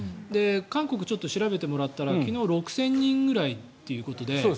韓国、ちょっと調べてもらったら昨日６０００人くらいということで。